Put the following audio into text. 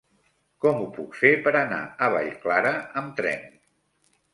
Com ho puc fer per anar a Vallclara amb tren?